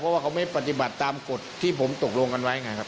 เพราะว่าเขาไม่ปฏิบัติตามกฎที่ผมตกลงกันไว้ไงครับ